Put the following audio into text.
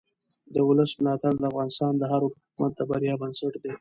د ولس ملاتړ د افغانستان د هر حکومت د بریا بنسټ دی